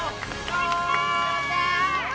やった！